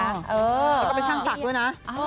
แล้วก็เป็นช่างศักดิ์ด้วยนะ